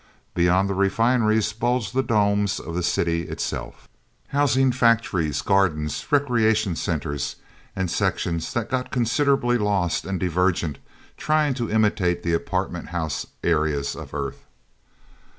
Beyond the refineries bulged the domes of the city itself, housing factories, gardens, recreation centers, and sections that got considerably lost and divergent trying to imitate the apartment house areas of Earth.